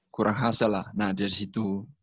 kurang hasil lah nah dari situ